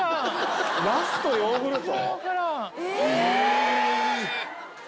ナスとヨーグルト？